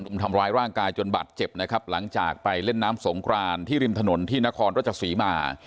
ทำร้ายร่างกายจนบาดเจ็บนะครับหลังจากไปเล่นน้ำสงครานที่ริมถนนที่นครรัชศรีมา